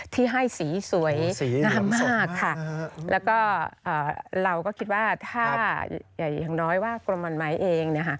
ที่ให้สีสวยงามมากค่ะแล้วก็เราก็คิดว่าถ้าอย่างน้อยว่ากรมมันไม้เองนะคะ